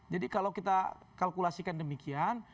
jadi kalau kita kalkulasikan demikian